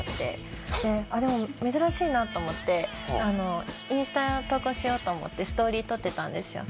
でも珍しいなと思ってインスタ投稿しようと思ってストーリー撮ってたんですよ。